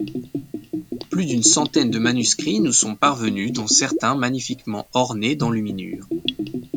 Plus d'une centaine de manuscrits nous sont parvenus dont certains magnifiquement ornés d'enluminures.